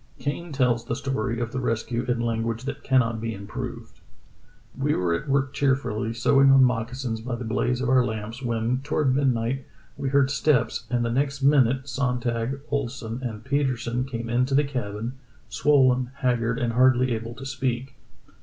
Kane tells the story of the rescue in language that cannot be improved. "We were at work cheerfully, sewing on moccasins by the blaze of our lamps, when, toward midnight, we heard steps and the next minute loo True Tales of Arctic Heroism Sonntag, Ohlsen, and Petersen came into the cabin, swollen, haggard, and hardly able to speak.